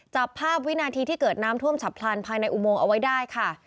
จับภาพวินาทีที่เกิดน้ำท่วมฉับพลันภายในอุโมงเอาไว้ได้ค่ะ